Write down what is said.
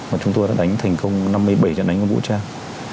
mà chúng tôi đã đánh thành công năm mươi bảy trận đánh quân vũ trang